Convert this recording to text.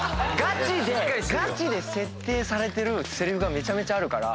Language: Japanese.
ガチで設定されてるせりふがめちゃめちゃあるから。